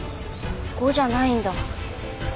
５じゃないんだ。